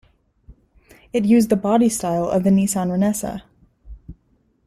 It used the bodystyle of the Nissan R'nessa.